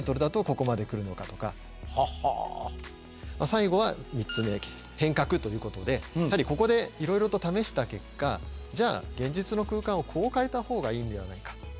最後は３つ目変革ということでやはりここでいろいろと試した結果じゃあ現実の空間をこう変えた方がいいんではないか。